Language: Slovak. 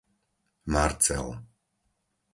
Marcel